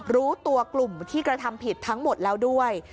รู้ตัวกลุ่มที่กระทำผิดทั้งหมดแล้วด้วย